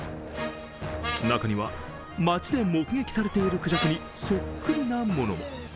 中には町で目撃されているくじゃくにそっくりなものも。